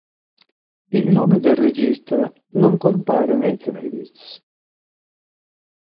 Il nome del regista non compare nei credits.